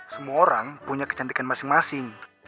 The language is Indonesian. semua orang punya kecantikan masing masing